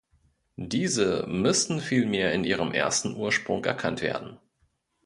Diese müssten vielmehr in ihrem „ersten Ursprung“ erkannt werden.